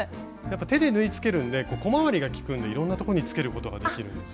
手で縫いつけるんで小回りが利くんでいろんなとこにつけることができるんです。